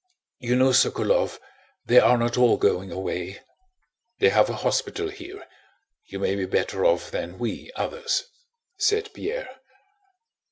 "You know, Sokolóv, they are not all going away! They have a hospital here. You may be better off than we others," said Pierre.